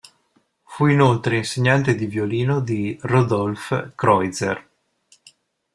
Fu inoltre insegnante di violino di Rodolphe Kreutzer.